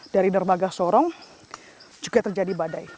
dari dermaga sorong juga terjadi badai